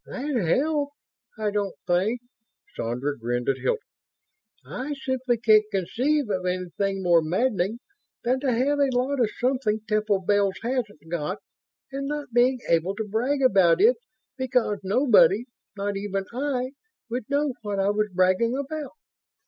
"That helps I don't think." Sandra grinned at Hilton. "I simply can't conceive of anything more maddening than to have a lot of something Temple Bells hasn't got and not being able to brag about it because nobody not even I would know what I was bragging about!"